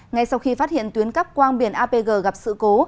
ngay sau khi phát hiện tuyến cắp quang biển apg gặp sự cố